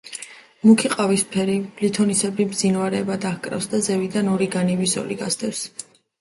მუქი ყავისფერი, ლითონისებრი ბზინვარება დაჰკრავს და ზევიდან ორი განივი ზოლი გასდევს.